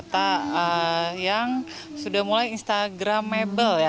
tempat wisata yang sudah mulai instagramable